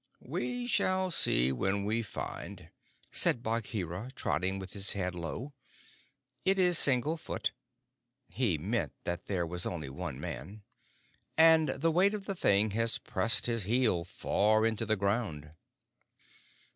"We shall see when we find," said Bagheera, trotting with his head low. "It is single foot" (he meant that there was only one man), "and the weight of the thing has pressed his heel far into the ground."